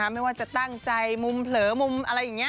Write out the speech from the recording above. ไม่ว่าจะตั้งใจมุมเผลอมุมอะไรอย่างนี้